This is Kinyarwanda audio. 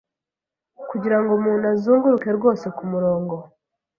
kugirango umuntu azunguruke rwose ku murongo